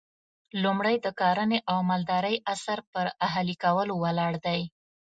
لومړی د کرنې او مالدارۍ عصر پر اهلي کولو ولاړ دی